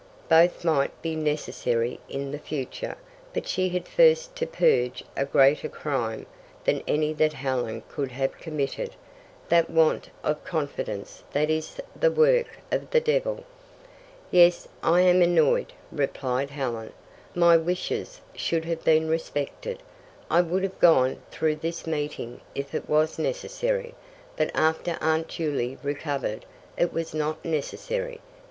Both might be necessary in the future, but she had first to purge a greater crime than any that Helen could have committed that want of confidence that is the work of the devil. "Yes, I am annoyed," replied Helen. "My wishes should have been respected. I would have gone through this meeting if it was necessary, but after Aunt Juley recovered, it was not necessary.